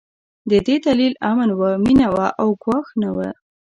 د دې دلیل امن و، مينه وه او ګواښ نه و.